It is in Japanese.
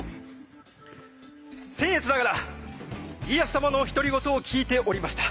せん越ながら家康様のお独り言を聞いておりました。